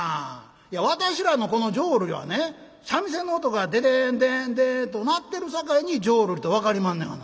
いや私らのこの浄瑠璃はね三味線の音が『デデンデンデン』と鳴ってるさかいに浄瑠璃と分かりまんねやがな。